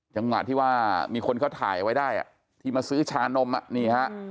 จังหวะที่ว่ามีคนเขาถ่ายเอาไว้ได้ที่มาซื้อชานมอ่ะนี่ฮะ